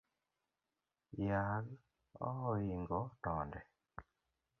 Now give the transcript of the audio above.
Yag ooingo tonde